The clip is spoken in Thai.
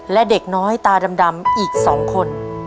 และเด็กน้อยตาดำอีก๒คน